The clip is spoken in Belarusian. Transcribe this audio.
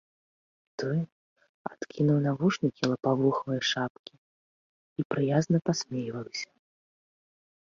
Той адкінуў навушнікі лапавухае шапкі і прыязна пасмейваўся.